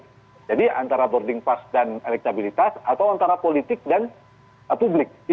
sehingga dia punya dukungan publik jadi antara boarding pass dan elektabilitas atau antara politik dan publik